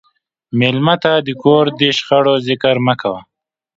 مېلمه ته د کور د شخړو ذکر مه کوه.